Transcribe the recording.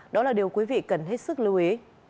đó là điều quý vị cần hết sức lưu ý